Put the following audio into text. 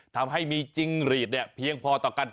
ทำให้มีจิ้งหรีดเนี่ยเพียงพอต่อกัน